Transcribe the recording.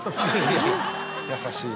優しいな。